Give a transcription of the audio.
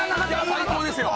最高ですよ。